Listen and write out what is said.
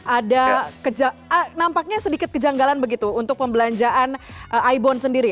ada nampaknya sedikit kejanggalan begitu untuk pembelanjaan ibon sendiri